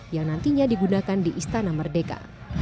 yang nantinya digunakan di istana merdeka